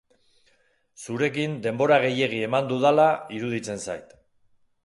Zurekin denbora gehiegi eman dudala iruditzen zait.